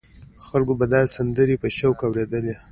خلکو به دا سندرې په شوق اورېدلې.